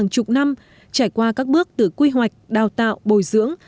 trải qua các bước từ quy hoạch đào tạo bồi dưỡng